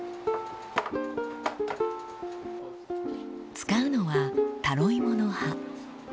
使うのはタロイモの葉。